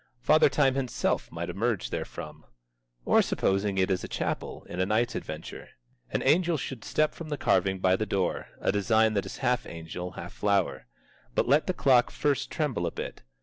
Father Time himself might emerge therefrom. Or supposing it is a chapel, in a knight's adventure. An angel should step from the carving by the door: a design that is half angel, half flower. But let the clock first tremble a bit.